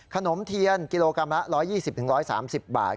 ขนมเทียนกิโลกรัมละ๑๒๐๑๓๐บาท